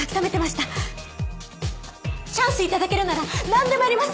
チャンス頂けるならなんでもやります！